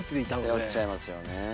背負っちゃいますよね。